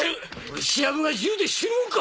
ウシアブが銃で死ぬもんか！